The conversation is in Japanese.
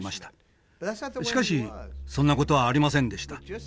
しかしそんな事はありませんでした。